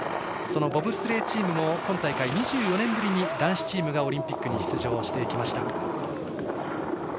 そのボブスレーチームも今大会、２４年ぶりに男子チームがオリンピックに出場していきました。